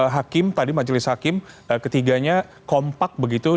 hakim tadi majelis hakim ketiganya kompak begitu